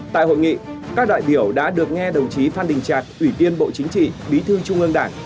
tại hội nghị các đại biểu đã được nghe đồng chí phan đình trạc ủy viên bộ chính trị bí thư trung ương đảng